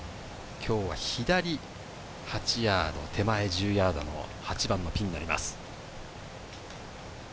今日は左８ヤード、手前１０ヤードの８番のピンになります。